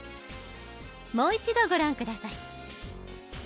もう一度ご覧下さい。